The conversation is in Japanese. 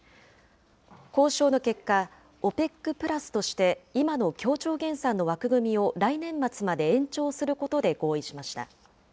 交渉の結果、ＯＰＥＣプラスとして今の協調減産の枠組みを来年末まで延長することで合意しました。